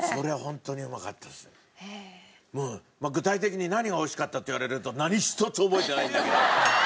それは具体的に何が美味しかったっていわれると何一つ覚えてないんだけど。